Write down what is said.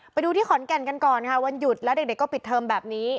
ไปดูที่ขอนแก่นกันก่อนค่ะวันหยุดแล้วเด็กก็ปิดเทอมแบบนี้